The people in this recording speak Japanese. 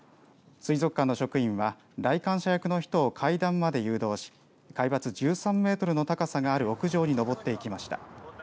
水族館の職員は来館者役の人を階段まで誘導し海抜１３メートルの高さがある屋上にのぼっていきました。